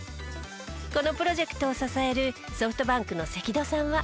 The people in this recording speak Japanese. このプロジェクトを支えるソフトバンクの関戸さんは。